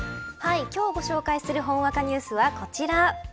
今日ご紹介するほんわかニュースはこちら。